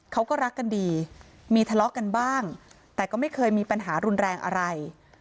เขาก็รักกันดีมีทะเลาะกันบ้างแต่ก็ไม่เคยมีปัญหารุนแรงอะไร